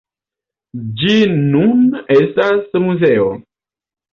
Ĝi nun estas muzeo.